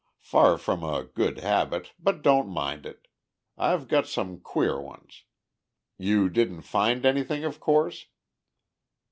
Far from a good habit, but don't mind it. I've got some queer ones. You didn't find anything, of course?"